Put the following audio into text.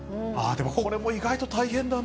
これも意外と大変だな。